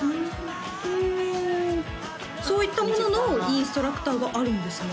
ほおそういったもののインストラクターがあるんですね